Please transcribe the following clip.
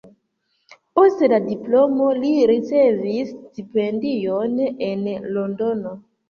Post la diplomo li ricevis stipendion en Londono.